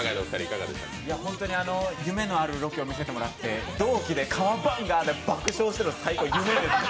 夢のある映像を見せてもらって同期でカワバンガで爆笑しているの最高でしたね。